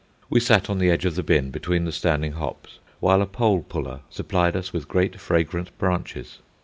We sat on the edge of the bin, between the standing hops, while a pole puller supplied us with great fragrant branches.